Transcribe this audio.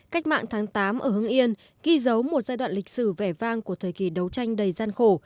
cách mạng tháng tám ở hưng yên ghi dấu một giai đoạn lịch sử vẻ vang của thời kỳ đấu tranh đầy gian khổ